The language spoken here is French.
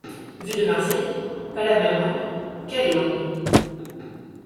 Vu de Marseille? Pas la même langue ? Quelle langue ?